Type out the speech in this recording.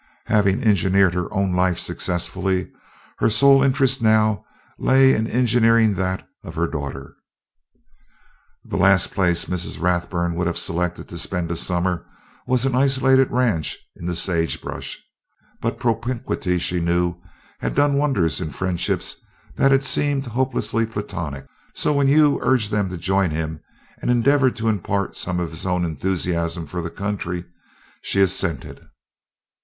Having engineered her own life successfully, her sole interest now lay in engineering that of her daughter. The last place Mrs. Rathburn would have selected to spend a summer was an isolated ranch in the sagebrush, but propinquity, she knew, had done wonders in friendships that had seemed hopelessly platonic, so, when Hugh urged them to join him, and endeavored to impart some of his own enthusiasm for the country, she assented.